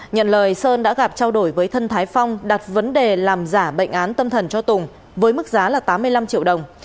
nhận lời sơn đã gặp trao đổi với thân thái phong đặt vấn đề làm giả bệnh án tâm thần cho tùng với mức giá là tám mươi năm triệu đồng